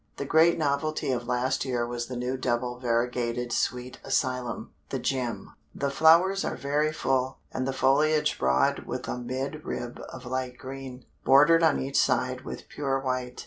The great novelty of last year was the new double variegated Sweet Alyssum "The Gem." The flowers are very full, and the foliage broad with a mid rib of light green, bordered on each side with pure white.